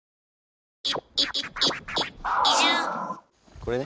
これね。